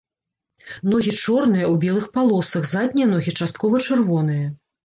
Ногі чорныя, у белых палосах, заднія ногі часткова чырвоныя.